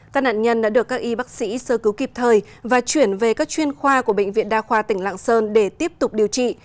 các nạn nhân đã được các y bác sĩ sơ cứu kịp thời và chuyển về các chuyên khoa của bệnh viện đa khoa tỉnh lạng sơn để tiếp tục điều trị